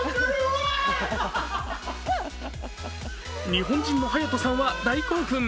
日本人のハヤトさんは大興奮。